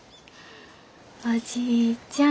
おじいちゃん。